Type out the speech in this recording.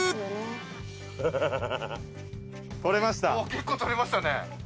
結構取れましたね。